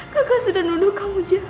kakak sudah nuduh kamu jahat